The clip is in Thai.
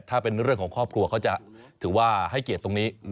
ถ้าเป็นเรื่องของครอบครัวเขาจะถือว่าให้เกียรติตรงนี้